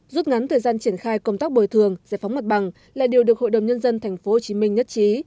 rút ngắn thời gian triển khai công tác bồi thường giải phóng mặt bằng là điều được hội đồng nhân dân tp hcm nhất trí